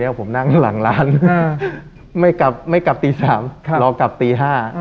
เดี๋ยวผมนั่งหลังร้านไม่กลับตี๓รอกลับตี๕